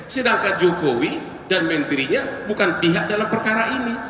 sedangkan jokowi dan menterinya bukan pihak dalam perkara ini